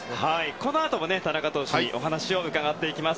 このあとも田中投手にお話を伺っていきます。